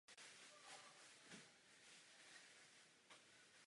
Se třemi vysokými školami je město regionálním vzdělávacím centrem.